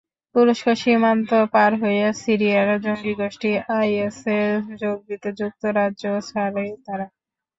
তুরস্ক সীমান্ত পার হয়ে সিরিয়ার জঙ্গিগোষ্ঠী আইএসে যোগ দিতে যুক্তরাজ্য ছাড়ে তারা।